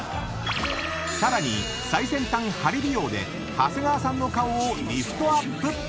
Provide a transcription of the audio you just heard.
［さらに最先端鍼美容で長谷川さんの顔をリフトアップ］